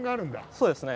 そうですね。